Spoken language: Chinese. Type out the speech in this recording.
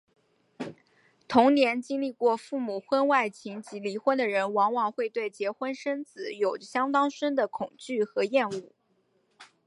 童年经历过父母婚外情及离婚的人往往会对结婚生子有着相当深的恐惧和厌恶。